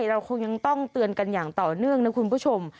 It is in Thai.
เราคงยังต้องเตือนกันอย่างต่อเนื่องนะคุณผู้ชม